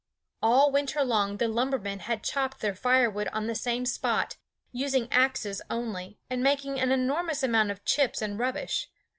All winter long the lumbermen had chopped their fire wood on the same spot, using axes only, and making an enormous amount of chips and rubbish.